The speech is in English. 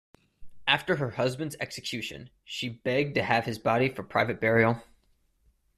After her husband's execution, she begged to have his body for private burial.